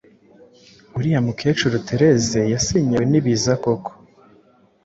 uriya mukecuru therese yasenyewe n’ibiza koko,